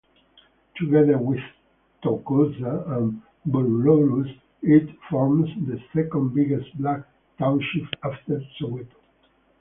Together with Thokoza and Vosloorus it forms the second biggest black township after Soweto.